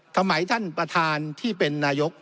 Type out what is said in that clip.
ท่านประธานที่เป็นนายก